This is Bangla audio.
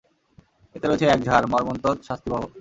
এতে রয়েছে এক ঝড়— মর্মন্তুদ শাস্তিবহ।